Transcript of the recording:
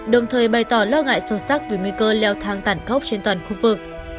đồng thời bày tỏ lo ngại sâu sắc về nguy cơ leo thang tàn khốc trên toàn khu vực